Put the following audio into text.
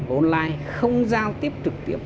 online không giao tiếp trực tiếp